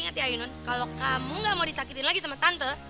ingat yayun kalau kamu gak mau disakitin lagi sama tante